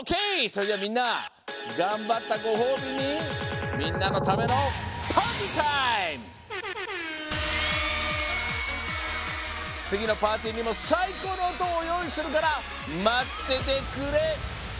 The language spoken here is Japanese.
それじゃあみんながんばったごほうびにみんなのためのつぎのパーティーにもさいこうの音をよういするからまっててくれＹＯ！